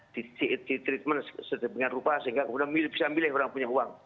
di treatment sedemikian rupa sehingga kemudian bisa milih orang punya uang